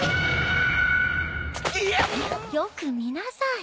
よく見なさい。